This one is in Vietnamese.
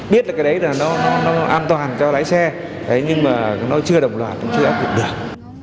biết là cái đấy là nó an toàn cho lái xe nhưng mà nó chưa đồng loạt cũng chưa áp dụng được